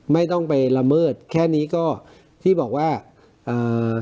ไม่ต้องไปละเมิดแค่นี้ก็ที่บอกว่าอ่า